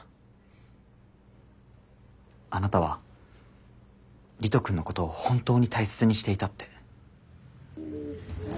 あなたは理人くんのことを本当に大切にしていたって。